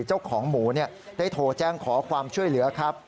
เจ้าของหมูได้โทรแจ้งขอความช่วยเหลือครับ